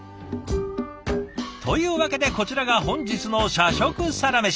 というわけでこちらが本日の社食サラメシ。